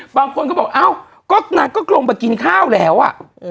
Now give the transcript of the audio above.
บางคนก็บอกอ้าวก็นางก็ลงมากินข้าวแล้วอ่ะ